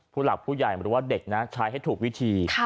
ผู้หลักผู้ใหญ่หรือว่าเด็กนะใช้ให้ถูกวิธี